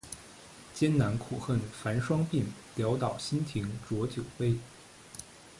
艰难苦恨繁霜鬓，潦倒新停浊酒杯